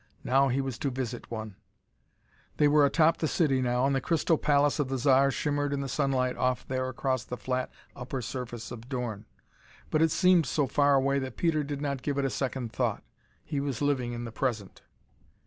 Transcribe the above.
Now he was to visit one! They were atop the city now and the crystal palace of the Zar shimmered in the sunlight off there across the flat upper surface of Dorn. But it seemed so far away that Peter did not give it a second thought. He was living in the present.